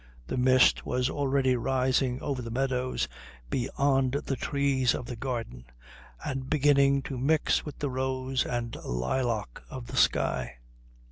The mist was already rising over the meadows beyond the trees of the garden and beginning to mix with the rose and lilac of the sky.